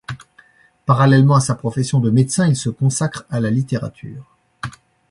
Parallèlement à sa profession de médecin, il se consacre à la littérature.